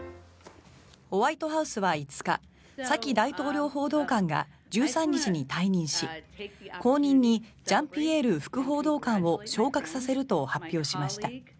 ホワイトハウスは５日サキ大統領報道官が１３日に退任し後任にジャンピエール副報道官を昇格させると発表しました。